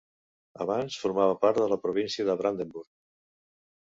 Abans formava part de la Província de Brandenburg.